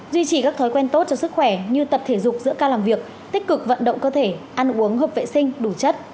duy trì các thói quen tốt cho sức khỏe như tập thể dục giữa ca làm việc tích cực vận động cơ thể ăn uống hợp vệ sinh đủ chất